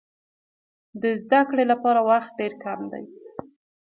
د زده کړې لپاره وخت ډېر مهم دی.